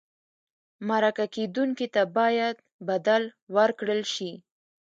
مرکه کېدونکي ته باید بدل ورکړل شي.